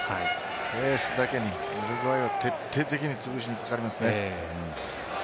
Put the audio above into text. エースだけにウルグアイは徹底的に潰しにかかりますね。